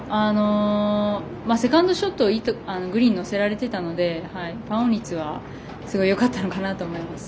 セカンドショットグリーンに乗せられていたのでパーオン率は、すごいよかったのかなと思います。